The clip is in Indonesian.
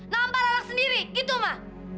nampar anak sendiri gitu mah